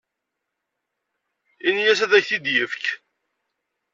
Ini-as ad ak-t-id-yefk.